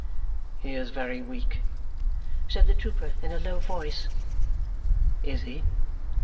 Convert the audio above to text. "He is very weak," said the trooper in a low voice. "Is he?"